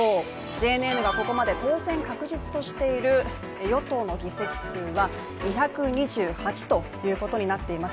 ＪＮＮがここまで当選確実としている与党の議席数は２２８ということになっています。